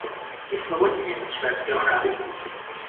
Vysvoboď mě od švédskýho nábytku!